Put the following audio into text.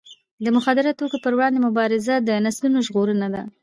د مخدره توکو پر وړاندې مبارزه د نسلونو ژغورنه ده.